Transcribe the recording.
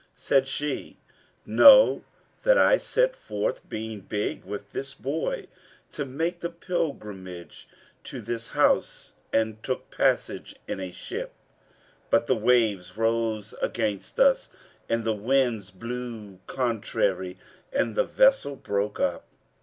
Said she, "Know, that I set forth, being big with this boy, to make the pilgrimage to this House and took passage in a ship; but the waves rose against us and the winds blew contrary and the vessel broke up.